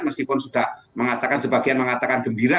meskipun sudah mengatakan sebagian mengatakan gembira